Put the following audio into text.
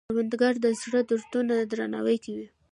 کروندګر د زړو دودونو درناوی کوي